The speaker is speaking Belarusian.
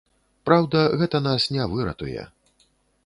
Праўда, гэта нас не выратуе.